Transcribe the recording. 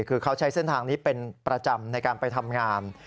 คือเขาใช้เส้นทางนี้เป็นประจำในการไปทำงาน